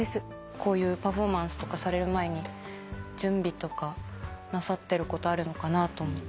こういうパフォーマンスとかされる前に準備とかなさってることあるのかなと思って。